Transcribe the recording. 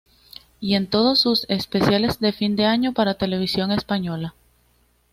Y en todos sus especiales de fin de año para Televisión Española.